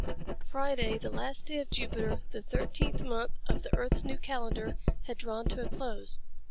Friday, the last day of Jupiter, the thirteenth month of the earth's new calendar, had drawn to a close.